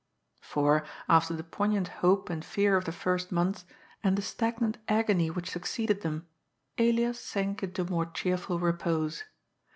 For, after the poignant hope and fear of the first months, and the stagnant agony which succeeded them, Elias sank into more cheerful repose.